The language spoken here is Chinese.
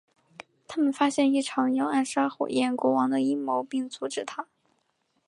他们发现一场要暗杀火焰国王的阴谋并阻止它。